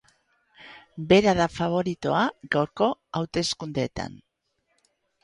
Bera da faboritoa gaurko hauteskundeetan.